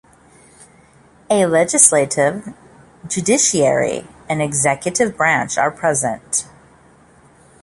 A legislative, judiciary, and executive branch are present.